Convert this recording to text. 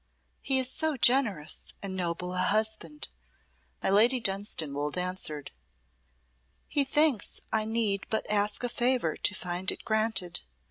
"He is so generous and noble a husband," my Lady Dunstanwolde answered. "He thinks I need but ask a favour to find it granted.